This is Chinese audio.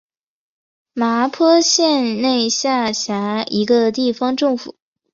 麻坡县内下辖一个地方政府。